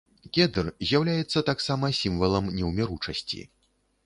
Кедр з'яўляецца таксама сімвалам неўміручасці.